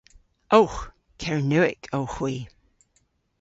Owgh. Kernewek owgh hwi.